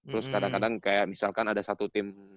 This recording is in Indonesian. terus kadang kadang kayak misalkan ada satu tim